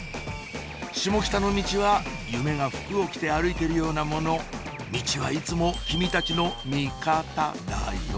下北のミチは夢が服を着て歩いているようなものミチはいつも君たちの味方だよ！